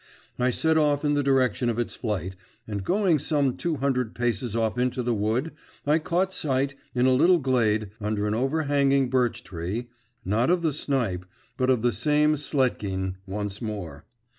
I set off in the direction of its flight, and going some two hundred paces off into the wood I caught sight in a little glade, under an overhanging birch tree not of the snipe, but of the same Sletkin once more.